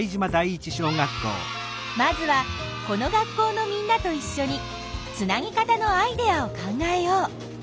まずはこの学校のみんなといっしょにつなぎ方のアイデアを考えよう。